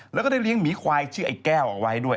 แล้วก็ได้เลี้ยงหมีควายชื่อไอ้แก้วเอาไว้ด้วย